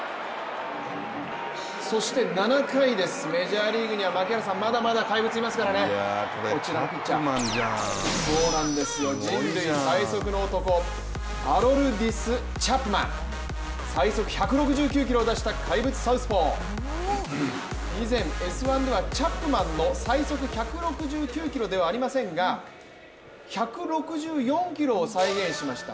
そして７回です、メジャーリーグにはまだまだ怪物いますからねこちらのピッチャー、そうなんですよ、人類最速の男、アロルディス・チャップマン、最速１６９キロを出した怪物サウスポー、以前、「Ｓ☆１」ではチャップマンの最速１６９キロではありませんが、１６４キロを再現しました。